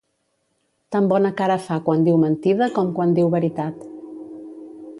Tan bona cara fa quan diu mentida com quan diu veritat.